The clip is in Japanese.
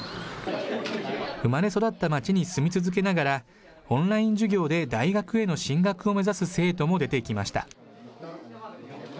生まれ育った町に住み続けながら、オンライン授業で大学への進学を目指す生徒も出てきました。